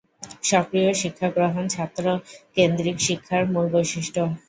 সক্রিয় শিক্ষা গ্রহণ ছাত্র-কেন্দ্রীক শিক্ষার মূল বৈশিষ্ট্য।